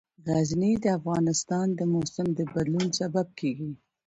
غزني د افغانستان د موسم د بدلون سبب کېږي.